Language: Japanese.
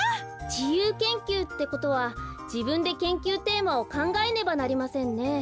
じゆう研究ってことはじぶんで研究テーマをかんがえねばなりませんね。